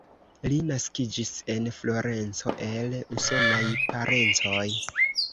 Li naskiĝis en Florenco el usonaj parencoj.